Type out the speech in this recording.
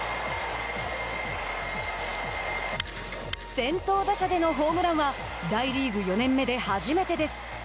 先頭打者でのホームランは大リーグ４年目で初めてです。